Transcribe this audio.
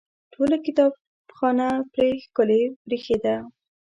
ټوله کتابخانه پرې ښکلې برېښېده.